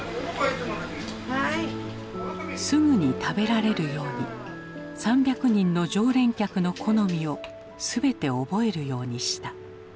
すぐに食べられるように３００人の常連客の好みを全て覚えるようにした。